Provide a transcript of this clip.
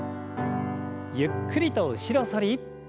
ゆっくりと後ろ反り。